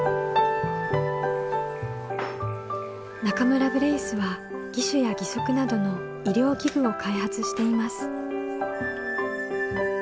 中村ブレイスは義手や義足などの医療器具を開発しています。